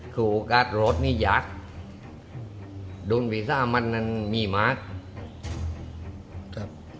คือโอกาสรถนี่อยากโดนวีซ่ามันนั้นมีมากครับ